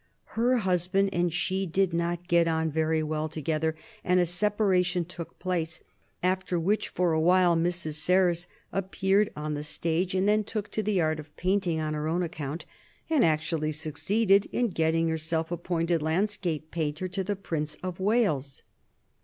Her husband and she did not get on very well together, and a separation took place; after which for a while Mrs. Serres appeared on the stage, and then took to the art of painting on her own account, and actually succeeded in getting herself appointed landscape painter to the Prince of Wales.